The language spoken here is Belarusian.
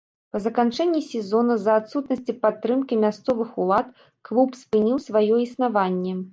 Па заканчэнні сезону, з-за адсутнасці падтрымкі мясцовых улад, клуб спыніў сваё існаванне.